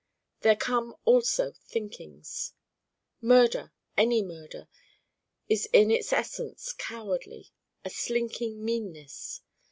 There come also thinkings. Murder, any Murder, is in its essence cowardly, a slinking meanness.